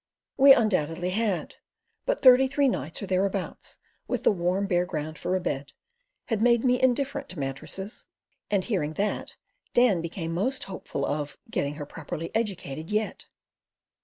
We undoubtedly had, but thirty three nights, or thereabouts, with the warm, bare ground for a bed, had made me indifferent to mattresses, and hearing that Dan became most hopeful of "getting her properly educated" yet.